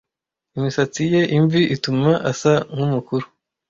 Imisatsi ye imvi ituma asa nkumukuru.